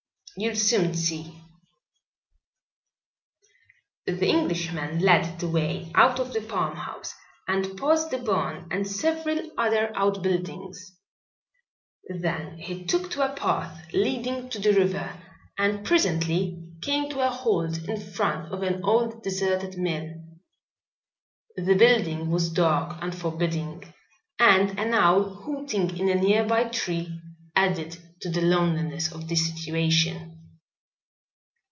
"You'll soon see." The Englishman led the way out of the farmhouse and past the barn and several other out buildings. Then he took to a path leading to the river and presently came to a halt in front of an old deserted mill. The building was dark and forbidding, and an owl, hooting in a nearby tree, added to the loneliness of the situation.